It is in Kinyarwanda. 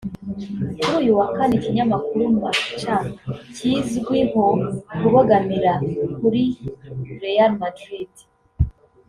Kuri uyu wa Kane ikinyamakuru Marca kizwi ho kubogamira kuri Real Madrid